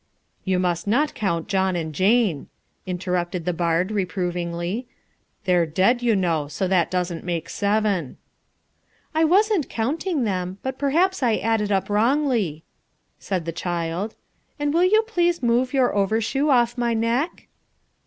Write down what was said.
"You must not count John and Jane," interrupted the bard reprovingly; "they're dead, you know, so that doesn't make seven." "I wasn't counting them, but perhaps I added up wrongly," said the child; "and will you please move your overshoe off my neck?"